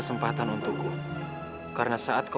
jangan datang sama dia